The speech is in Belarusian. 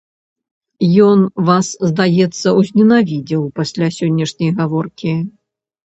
Ён вас, здаецца, узненавідзеў пасля сённяшняй гаворкі?